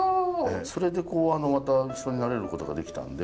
それでこうあのまた一緒になれることができたんで。